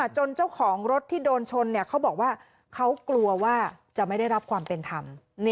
เจ้าของรถที่โดนชนเขาบอกว่าเขากลัวว่าจะไม่ได้รับความเป็นธรรม